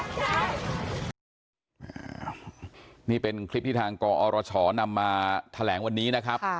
โคศกรรชาวันนี้ได้นำคลิปบอกว่าเป็นคลิปที่ทางตำรวจเอามาแถลงวันนี้นะครับ